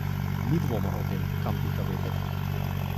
Ni dvoma o tem, kam piha veter.